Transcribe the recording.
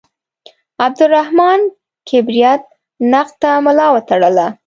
عبدالرحمان کبریت نقد ته ملا وتړله.